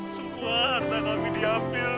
semua harta kami diambil